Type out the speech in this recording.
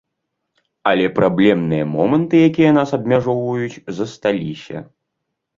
Але праблемныя моманты, якія нас абмяжоўваюць, засталіся.